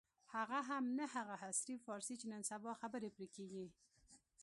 هغه هم نه هغه عصري فارسي چې نن سبا خبرې پرې کېږي.